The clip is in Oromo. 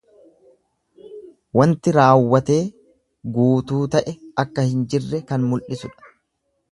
Wanti raawwate guutuu ta'e akka hin jirre kan mul'isudha.